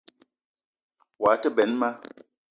Woua te benn ma